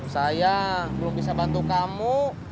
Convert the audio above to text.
saya belum bisa bantu kamu